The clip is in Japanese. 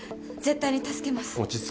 絶対に助けます。